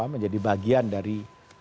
menjadi bagian dari